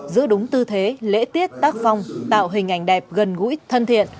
giữ đúng tư thế lễ tiết tác phong tạo hình ảnh đẹp gần gũi thân thiện